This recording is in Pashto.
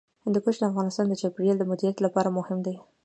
هندوکش د افغانستان د چاپیریال د مدیریت لپاره مهم دي.